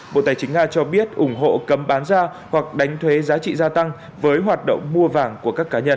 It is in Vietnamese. bộ tài chính nga cho biết ủng hộ cấm bán ra hoặc đánh thuế giá trị gia tăng với hoạt động mua vàng của các cá nhân